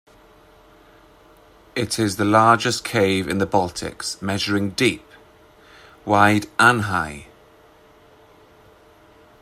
It is the largest cave in the Baltics, measuring deep, wide and high.